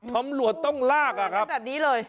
ตำรวจต้องลากอ่ะครับ